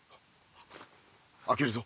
開けるぞ。